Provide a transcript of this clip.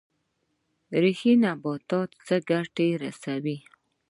ریښې نبات ته څه ګټه رسوي؟